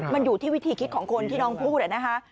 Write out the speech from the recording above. มันอยู่ที่วิธีคิดของคนที่น้องพูดนะคะ